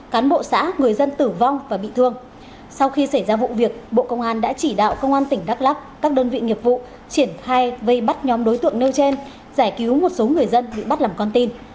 cán bộ xã người dân tử vong và bị thương sau khi xảy ra vụ việc bộ công an đã chỉ đạo công an tỉnh đắk lắc các đơn vị nghiệp vụ triển khai vây bắt nhóm đối tượng nêu trên giải cứu một số người dân bị bắt làm con tin